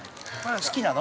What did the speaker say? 好きなの？